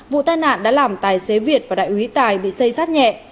vụ tai nạn đã làm tài xế việt và đại úy tài bị xây sát nhẹ